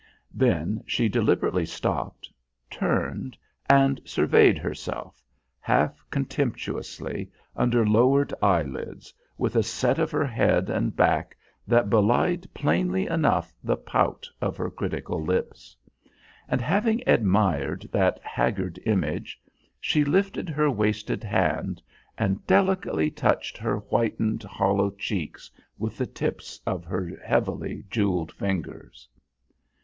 Then she deliberately stopped, turned and surveyed herself, half contemptuously, under lowered eyelids, with a set of her head and back that belied plainly enough the pout of her critical lips. And having admired that haggard image, she lifted her wasted hand and delicately touched her whitened, hollow cheeks with the tips of her heavily jewelled fingers.